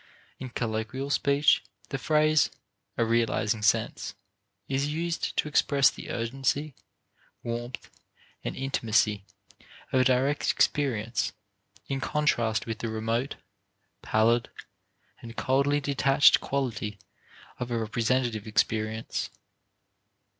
In colloquial speech, the phrase a "realizing sense" is used to express the urgency, warmth, and intimacy of a direct experience in contrast with the remote, pallid, and coldly detached quality of a representative experience.